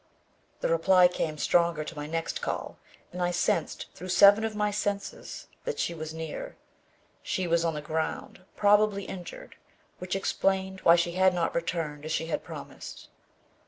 The reply came stronger to my next call and I sensed through seven of my senses that she was near. She was on the ground, probably injured, which explained why she had not returned as she had promised.